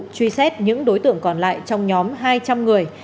truy xét những đối tượng còn lại trong nhóm hai trăm linh người